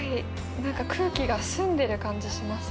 何か空気が澄んでる感じしますね。